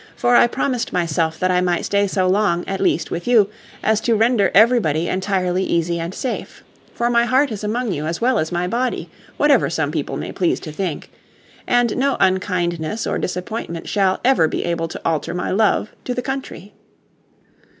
"For I promised myself that I might stay so long, at least, with you, as to render everybody entirely easy and safe. For my heart is among you, as well as my body, whatever some people may please to think. And no unkindness or disappointment shall ever be able to alter my love to the country."